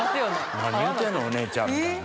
「何言うてんの？お姉ちゃん」みたいな。